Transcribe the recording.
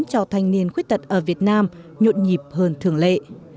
cho thanh niên khuyết tật ở việt nam nhộn nhịp hơn thường lệ